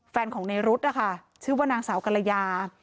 แฟนของนายรุธค่ะชื่อว่านางสาวกรยา